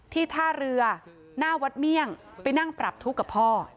ท่าเรือหน้าวัดเมี่ยงไปนั่งปรับทุกข์กับพ่อ